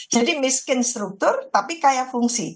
jadi miskin struktur tapi kaya fungsi